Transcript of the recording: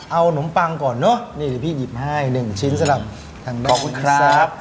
เอานมปังก่อนเนอะนี่พี่หยิบให้หนึ่งชิ้นสำหรับขอบคุณครับ